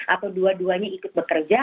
atau dua duanya ikut bekerja